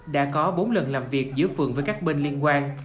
đã có bốn lần làm việc giữa phường với các bên liên quan